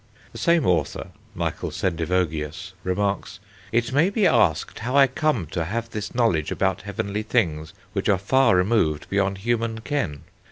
The same author, Michael Sendivogius, remarks: "It may be asked how I come to have this knowledge about heavenly things which are far removed beyond human ken.